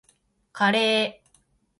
カレー